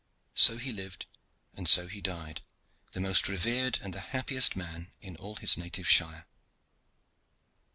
So he lived and so he died, the most revered and the happiest man in all his native shire.